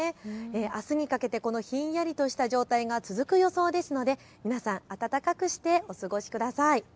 あすにかけてこのひんやりとした状態が続く予想ですので皆さん、暖かくしてお過ごしください。